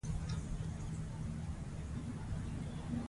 کوم چې د الله په لاره کي صدقه کړل شي .